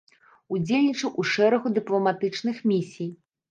Удзельнічаў у шэрагу дыпламатычных місій.